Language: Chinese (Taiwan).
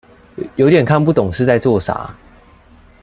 有點看不懂是在做啥